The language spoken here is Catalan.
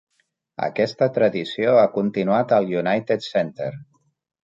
Aquesta tradició ha continuat al United Center.